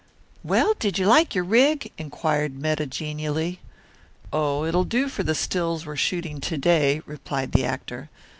"Well, did you like your rig?" inquired Metta genially. "Oh, it'll do for the stills we're shooting to day," replied the actor.